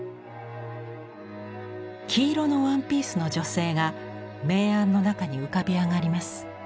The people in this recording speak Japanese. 黄色のワンピースの女性が明暗の中に浮かび上がります。